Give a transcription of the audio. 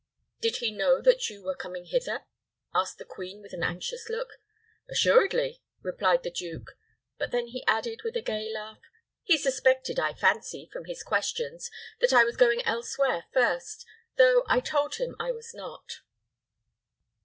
"Did he know that you were coming hither?" asked the queen, with an anxious look. "Assuredly," replied the duke; but then he added, with a gay laugh, "He suspected, I fancy, from his questions, that I was going elsewhere first, though I told him I was not."